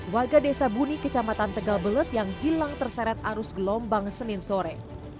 warga desa buni kecamatan tegal belet yang hilang terseret arus gelombang senin sore